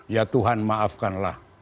ya tuhan maafkanlah